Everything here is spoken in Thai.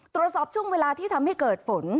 ตรวจสอบช่วงเวลาที่ทำให้เกิดฝน